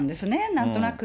なんとなく。